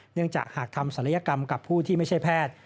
เนื่องจากหากทำศัลยกรรมกับผู้ที่ไม่ใช่แพทย์